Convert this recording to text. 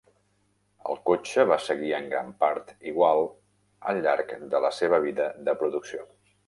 El cotxe va seguir en gran part igual al llarg de la seva vida de producció.